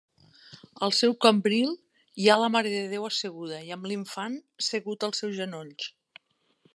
Al seu cambril, hi ha la marededéu asseguda i amb l'infant segut als seus genolls.